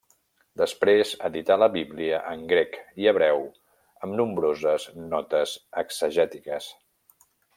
Després edità la Bíblia en grec i hebreu amb nombroses notes exegètiques.